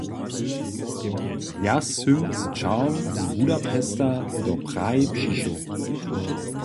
Ja sym z ćahom z Budapesta do Prahi přišoł.